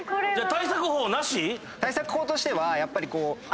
対策法としては。